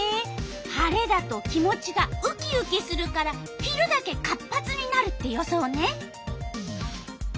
晴れだと気持ちがウキウキするから昼だけ活発になるって予想ね。